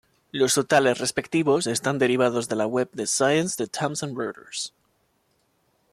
Los totales respectivos están derivados de la Web de Science de Thomson Reuters.